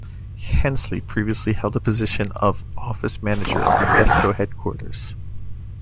Hensley previously held the position of office manager of Modesto Headquarters.